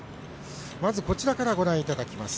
まず、こちらからご覧いただきます。